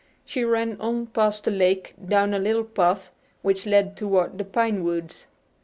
She ran on past the lake down a little path which led toward the pine woods.